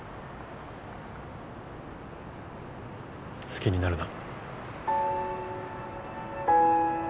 好きになるな。